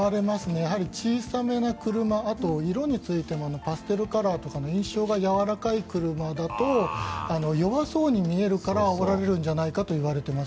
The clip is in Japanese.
小さめの車とかあと、色についてもパステルカラーとかの印象がやわらかい車だと弱そうに見えるからあおられるんじゃないかといわれています。